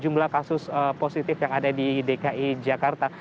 jumlah kasus positif yang ada di dki jakarta